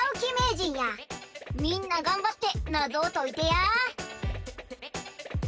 みんながんばってなぞをといてや。